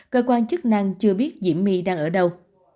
cơ quan chức năng chưa biết diễm my đang ở đâu